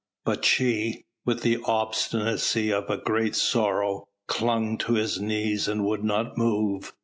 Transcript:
But she, with the obstinacy of a great sorrow, clung to his knees and would not move.